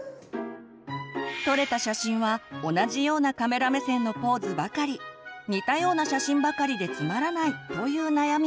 撮れた写真は同じようなカメラ目線のポーズばかり似たような写真ばかりでつまらないという悩みも。